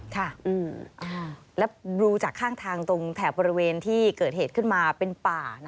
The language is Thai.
ค่ะแล้วดูจากข้างทางตรงแถบบริเวณที่เกิดเหตุขึ้นมาเป็นป่า